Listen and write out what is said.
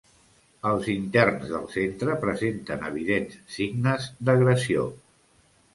Els interns del centre presenten evidents signes d'agressió